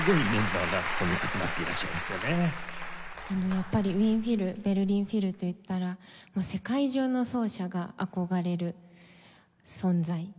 やっぱりウィーン・フィルベルリン・フィルといったらもう世界中の奏者が憧れる存在。